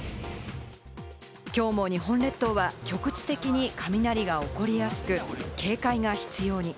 きょうも日本列島は局地的に雷が起こりやすく、警戒が必要に。